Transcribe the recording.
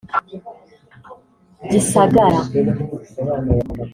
Gisagara